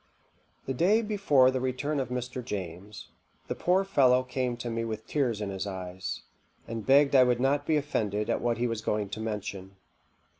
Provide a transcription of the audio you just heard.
The day before the return of Mr. James, the poor fellow came to me with tears in his eyes, and begged I would not be offended at what he was going to mention.